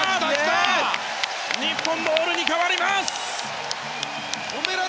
日本ボールに変わります。